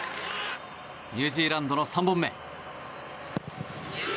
ニュージーランドの３本目。